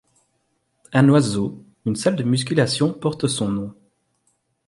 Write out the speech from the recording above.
À Noiseau, une salle de musculation porte son nom.